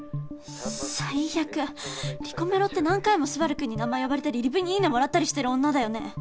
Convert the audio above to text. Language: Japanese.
最悪りこめろって何回もスバルくんに名前呼ばれたりリプに「いいね」もらったりしてる女だよね？